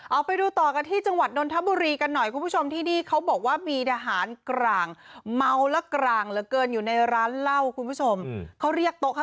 เอาไปดูต่อกันที่จังหวัดนนทบุรีกันหน่อยคุณผู้ชมที่นี่เขาบอกว่ามีทหารกลางเมาและกลางเหลือเกินอยู่ในร้านเหล้าคุณผู้ชมเขาเรียกโต๊ะค่ะ